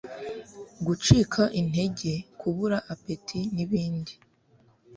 Gucika intege, Kubura appétit n'ibindi